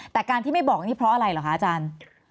แต่การที่ไม่บอกนี่เพราะอะไรเหรอคะอาจารย์